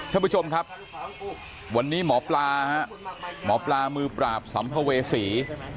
ท่านผู้ชมครับวันนี้หมอปลาฮะหมอปลามือปราบสัมภเวษี